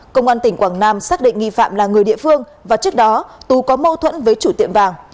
công an tỉnh quảng nam xác định nghi phạm là người địa phương và trước đó tú có mâu thuẫn với chủ tiệm vàng